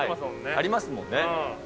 ありますもんね。